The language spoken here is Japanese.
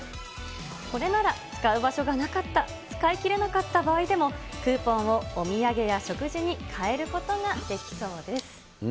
これなら、使う場所がなかった、使いきれなかった場合でも、クーポンをお土産や食事にかえることができそうです。